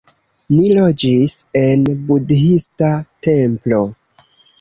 Ni loĝis en budhista templo